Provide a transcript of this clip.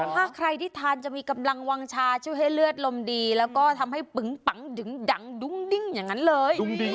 ถ้าใครที่ทานจะมีกำลังวางชาช่วยให้เลือดลมดีแล้วก็ทำให้ปึงปังดึงดังดุ้งดิ้งอย่างนั้นเลย